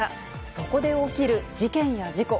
そこで起きる事件や事故。